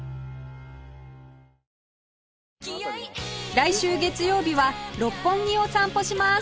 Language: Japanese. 来週月曜日は六本木を散歩します